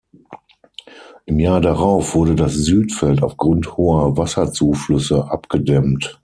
Im Jahr darauf wurde das Südfeld aufgrund hoher Wasserzuflüsse abgedämmt.